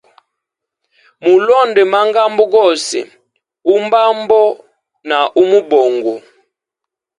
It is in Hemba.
Mulonde magambo gose, umbambo na umubongo.